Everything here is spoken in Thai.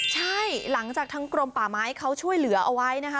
ใช่หลังจากทางกรมป่าไม้เขาช่วยเหลือเอาไว้นะคะ